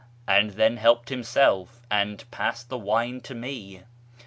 and tlien helped himself and j^assed the wine to me.